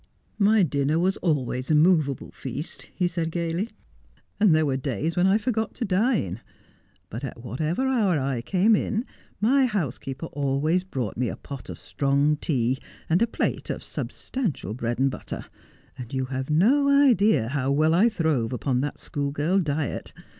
' My dinner was always a moveable feast,' he said gaily, ' and there were days when I forgot to dine. But at whatever hour I came in my housekeeper always brought me a pot of strong tea, and a plate of substantial bread and butter ; and you have no idea how well I throve upon that school girl diet.